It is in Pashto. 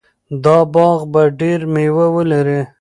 دا باغ به ډېر مېوه ولري.